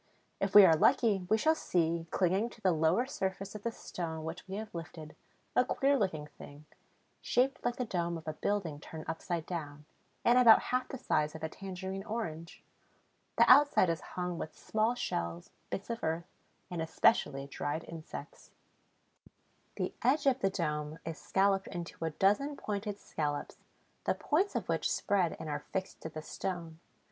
If we are lucky, we shall see, clinging to the lower surface of the stone which we have lifted, a queer looking thing, shaped like the dome of a building turned upside down, and about half the size of a tangerine orange. The outside is hung with small shells, bits of earth, and, especially, dried insects. The edge of the dome is scalloped into a dozen pointed scallops, the points of which spread and are fixed to the stone.